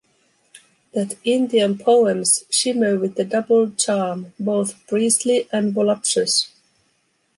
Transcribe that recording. That Indian poems shimmer with a double charm, both priestly and voluptuous.